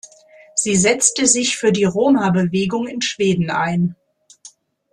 Sie setzte sich für die Roma-Bewegung in Schweden ein.